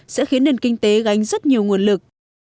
sẽ khiến nền kinh tế gánh rất nhiều nguồn lực